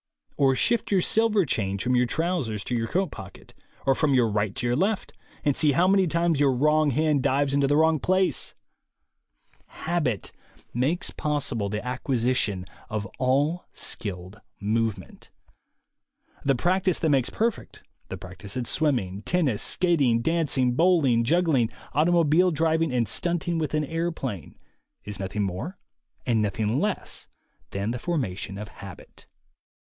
Or shift your silver change from your trousers to your coat pocket, or from your right to your left, and see how many times the wrong hand dives into the wrong place ! Habit makes possible the acquisition of all skilled movement. The practice that makes perfect, the practice at swimming, tennis, skating, dancing, bowling, juggling, automobile driving and stunting with an airplane, is nothing more and nothing less than the formation of habit.